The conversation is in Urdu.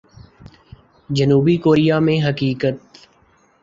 جنوبی کوریا میں حقیقت۔